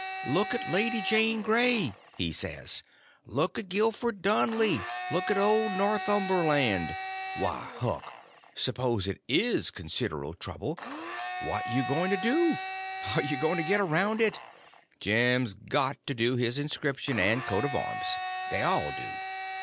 "Look at Lady Jane Grey," he says; "look at Gilford Dudley; look at old Northumberland! Why, Huck, s'pose it is considerble trouble?—what you going to do?—how you going to get around it? Jim's got to do his inscription and coat of arms. They all do."